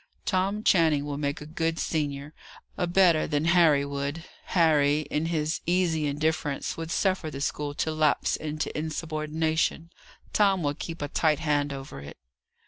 Tom Channing will make a good senior; a better than Harry would. Harry, in his easy indifference, would suffer the school to lapse into insubordination; Tom will keep a tight hand over it."